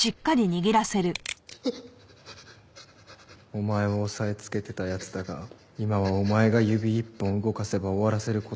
お前を押さえつけてた奴だが今はお前が指一本動かせば終わらせる事ができる。